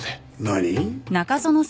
何？